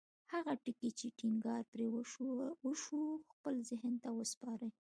هغه ټکي چې ټينګار پرې وشو خپل ذهن ته وسپارئ.